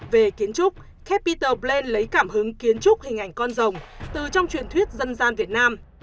về kiến trúc capital bland lấy cảm hứng kiến trúc hình ảnh con rồng từ trong truyền thuyết dân gian việt nam